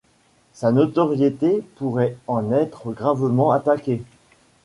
Sa notoriété pourrait en être gravement attaquée.